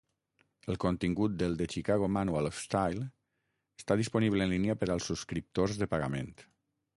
El contingut del "The Chicago Manual of Style" està disponible en línia per als subscriptors de pagament.